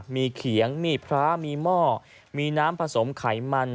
มีเขียงมีพระมีหม้อมีน้ำผสมไขมัน